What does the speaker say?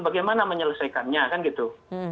bagaimana menyelesaikannya kan gitu